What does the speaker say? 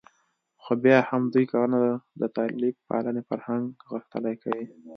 خو بیا هم د دوی کارونه د طالب پالنې فرهنګ غښتلی کوي